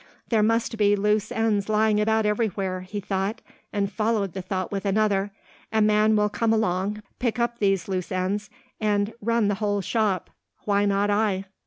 "There must be loose ends lying about everywhere," he thought and followed the thought with another. "A man will come along, pick up these loose ends, and run the whole shop. Why not I?"